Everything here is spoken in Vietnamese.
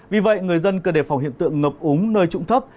vì vậy người dân cần đề phòng hiện tượng ngập úng nơi trụng thấp